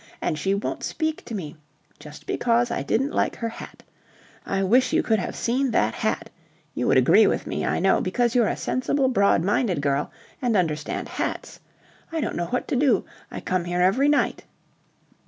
And she won't speak to me. Just because I didn't like her hat. I wish you could have seen that hat. You would agree with me, I know, because you're a sensible, broad minded girl and understand hats. I don't know what to do. I come here every night."